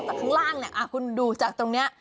เพราะว่ามองจากข้างล่างคุณดูจากตรงนี้